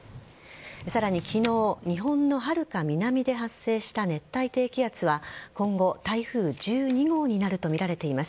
さらに昨日日本のはるか南で発生した熱帯低気圧は今後、台風１２号になるとみられています。